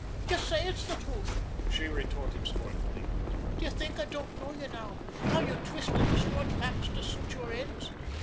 "You say it's the truth," she retorted scornfully. "Do you think I don't know you now how you twist and distort facts to suit your ends?